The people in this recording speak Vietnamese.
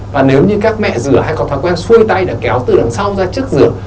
và nếu như các mẹ rửa hay có thói quen xuôi tay đã kéo từ đằng sau ra trước rửa